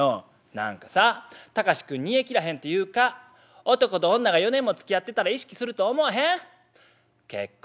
「何かさタカシ君煮えきらへんっていうか男と女が４年もつきあってたら意識すると思わへん？結婚」。